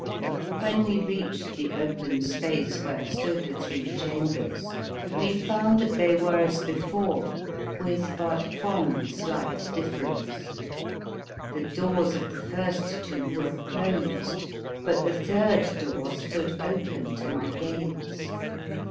When we reached the open space where stood the three chambers, we found that they were as before, with 57 The Fearsome Island but one slight difference. The doors of the first two were closed, but the third door stood open to my gaze.